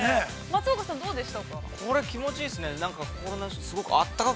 松岡さん、どうでしたか。